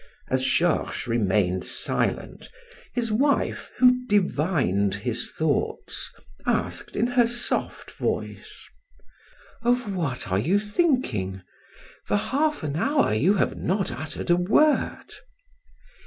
As Georges remained silent, his wife, who divined his thoughts, asked in her soft voice: "Of what are you thinking? For half an hour you have not uttered a word."